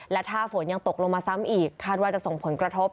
และถ้าฝนยังตกลงมาซ้ำอีกคาดว่าจะส่งผลกระทบ